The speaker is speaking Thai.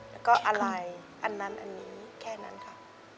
แล้วก็อะไรอันนั้นอันนี้แค่นั้นค่ะ